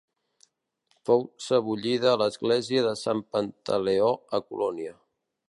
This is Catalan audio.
Fou sebollida a l'església de Sant Pantaleó a Colònia.